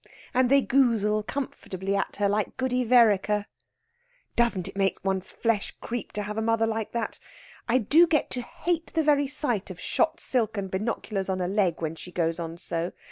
And they goozle comfortably at her, like Goody Vereker." "Doesn't it make one's flesh creep to have a mother like that? I do get to hate the very sight of shot silk and binoculars on a leg when she goes on so.